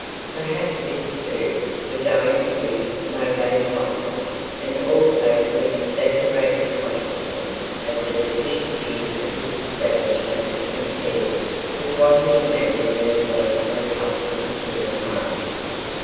Perhaps this, too, was owing to his mauvaise honte, and also to an exaggerated consciousness of the deficiencies of his establishment as compared with what he imagined these lads were accustomed to at home.